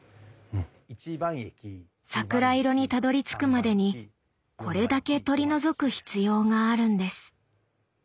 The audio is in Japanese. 桜色にたどりつくまでにこれだけ取り除く必要があるんです。